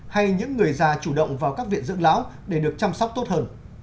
hay những người già chủ động vào các viện dưỡng lão để được chăm sóc tốt hơn